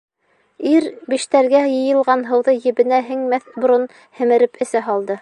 Ир биштәргә йыйылған һыуҙы ебенә һеңмәҫ борон һемереп эсә һалды.